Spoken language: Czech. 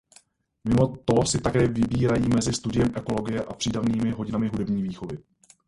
Mimo to si také vybírají mezi studiem ekologie a přídavnými hodinami hudební výchovy.